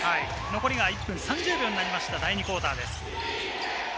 残りが１分３０秒になりました、第２クオーターです。